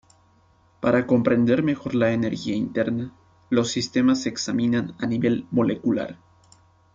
Para comprender mejor la energía interna, los sistemas se examinan a nivel molecular.